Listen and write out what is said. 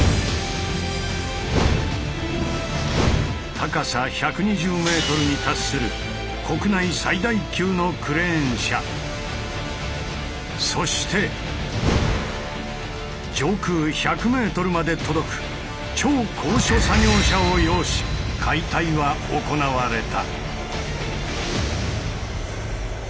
高さ１２０ｍに達するそして上空１００ｍまで届く超高所作業車を擁し解体は行われた。